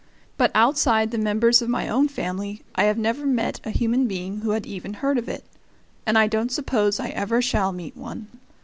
But outside the members of my own family I have never met a human being who had even heard of it, and I don't suppose I ever shall meet one.